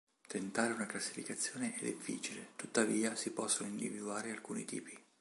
Tentare una classificazione è difficile, tuttavia si possono individuare alcuni tipi.